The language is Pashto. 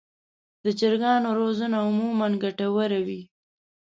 د چرګانو روزنه عموماً ګټه وره وي.